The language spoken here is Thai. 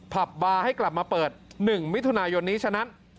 ผับบาร์ให้กลับมาเปิด๑มิถุนายนนี้ฉะนั้น